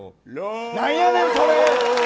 なんやねん、それ！